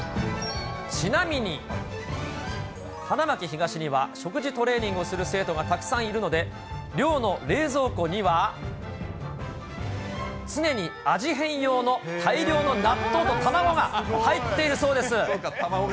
ちなみに、花巻東には食事トレーニングをする生徒がたくさんいるので、寮の冷蔵庫には、常に味変用の大量の納豆と卵が入っているそうです。